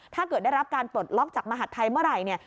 ถ้าเกิดได้รับการปลดล็อกจากมหัฒน์ไทยเมื่อไหร่